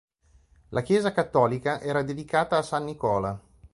La chiesa cattolica era dedicata a San Nicola.